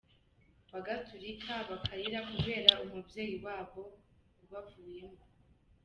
bagaturika bakarira kubera umubyeyi wabo ubavuyemo.